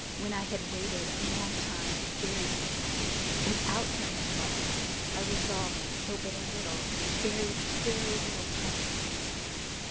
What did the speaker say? When I had waited a long time, very patiently, without hearing him lie down, I resolved to open a little—a very, very little crevice in the lantern.